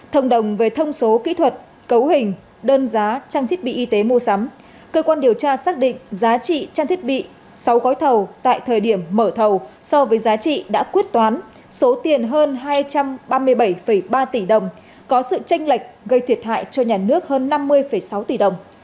thông đồng về thông số kỹ thuật cấu hình đơn giá trang thiết bị y tế mua sắm cơ quan điều tra xác định giá trị trang thiết bị sáu gói thầu tại thời điểm mở thầu so với giá trị đã quyết toán số tiền hơn hai trăm ba mươi bảy ba tỷ đồng có sự tranh lệch gây thiệt hại cho nhà nước hơn năm mươi sáu tỷ đồng